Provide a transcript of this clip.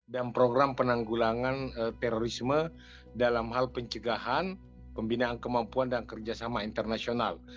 dan program penanggulangan terorisme dalam hal pencegahan pembinaan kemampuan dan kerjasama internasional